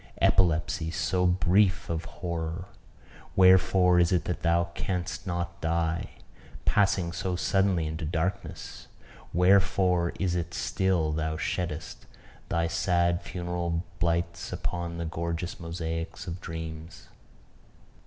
Epilepsy so brief of horror wherefore is it that thou canst not die? Passing so suddenly into darkness, wherefore is it that still thou sheddest thy sad funeral blights upon the gorgeous mosaics of dreams?